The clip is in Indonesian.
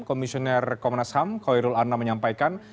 komisioner komnas ham koirul arna menyampaikan